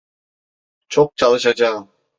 Çok çalışacağım.